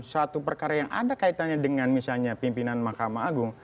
satu perkara yang ada kaitannya dengan misalnya pimpinan mahkamah agung